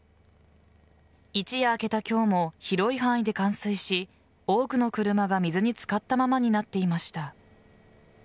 一夜明けた今日も広い範囲で冠水し多くの車が水に浸かったままになっていました。